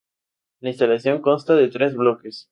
La instalación consta de tres bloques.